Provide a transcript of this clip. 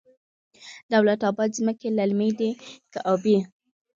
دولت اباد ځمکې للمي دي که ابي؟